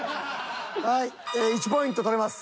はい１ポイント取れます。